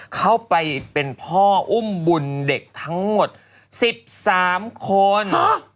เข้าไปเป็นพ่ออุ้มบุญเด็กทั้งหมด๑๓คน